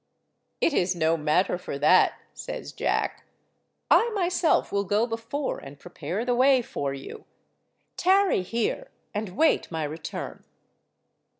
"It is no matter for that," says Jack. "I myself will go before and prepare the way for you. Tarry here, and wait my return."